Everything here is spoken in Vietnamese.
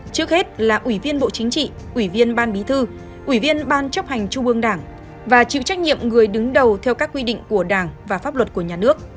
chính trị ủy viên ban bí thư ủy viên ban chấp hành trung ương đảng và chịu trách nhiệm người đứng đầu theo các quy định của đảng và pháp luật của nhà nước